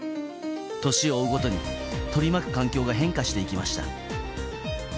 年を追うごとに取り巻く環境が変化していきました。